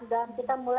dan kita juga banyak